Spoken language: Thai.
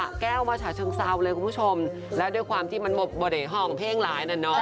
แก้วมาฉะเชิงเซาเลยคุณผู้ชมและด้วยความที่มันบริห่องเพลงหลายน่ะเนอะ